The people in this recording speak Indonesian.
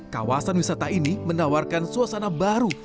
kawasan wisata ini menawarkan suasana baru